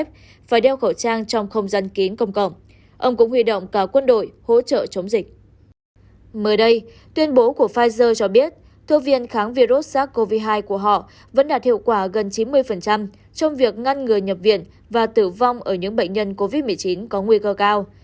mới đây tuyên bố của pfizer cho biết thuốc viên kháng virus sars cov hai của họ vẫn đạt hiệu quả gần chín mươi trong việc ngăn ngừa nhập viện và tử vong ở những bệnh nhân covid một mươi chín có nguy cơ cao